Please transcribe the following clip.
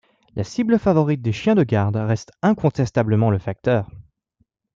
La cible favorite des chiens de garde reste incontestablement le facteur.